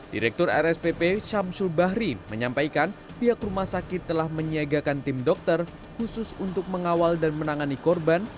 direktur rspp syamsul bahri menyampaikan pihak rumah sakit telah menyiagakan tim dokter khusus untuk mengawal dan menangani korban